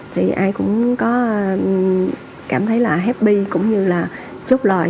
thì ai cũng có cảm thấy là happy cũng như là chúc lời